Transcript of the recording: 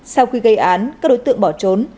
sau khi gây án các đối tượng bỏ trốn